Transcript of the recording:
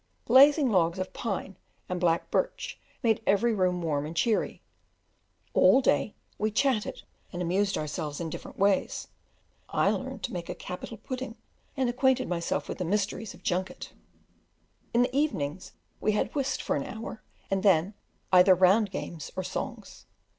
Blazing logs of pine and black birch made every room warm and cheery; all day we chatted and amused ourselves in different ways (I learned to make a capital pudding, and acquainted myself with the mysteries of "junket"); in the evenings we had whist for an hour, and then either round games or songs.